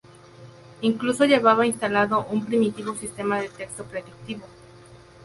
Incluso llevaba instalado un primitivo sistema de texto predictivo.